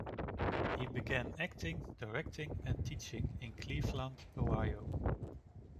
He began acting, directing and teaching in Cleveland, Ohio.